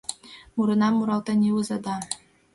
Мурынам муралтен илыза да